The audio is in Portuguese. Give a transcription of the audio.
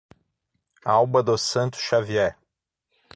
Alba dos Santos Xavier